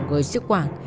người sức quản